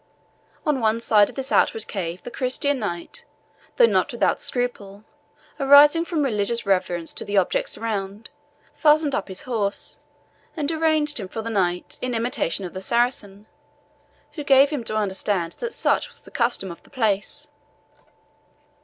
On one side of this outward cave the Christian knight, though not without scruple, arising from religious reverence to the objects around, fastened up his horse, and arranged him for the night, in imitation of the Saracen, who gave him to understand that such was the custom of the place.